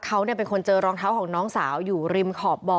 เขาเป็นคนเจอรองเท้าของน้องสาวอยู่ริมขอบบ่อ